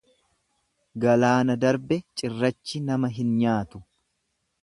Galaana darbe cirrachi nama hin nyaatu.